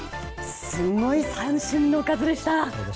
すごい三振の数でした。